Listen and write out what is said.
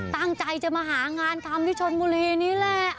ตั้งใจจะมาหางานทำที่ชนบุรีนี่แหละ